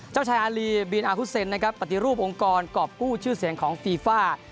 เจ้าชายอารีบินอาฮุเซนนะครับปฏิรูปองค์กรกรอบกู้ชื่อเสียงของฟีฟ่า